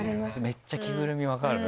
めっちゃ着ぐるみ分かるな。